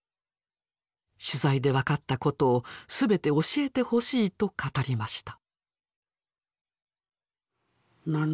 取材で分かったことを全て教えてほしいと語りました。